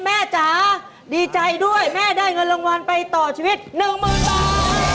แม่จ๋าดีใจด้วยแม่ได้เงินรางวัลไปต่อชีวิตหนึ่งหมื่นบาท